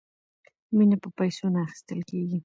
مینه په پیسو نه اخیستل کیږي.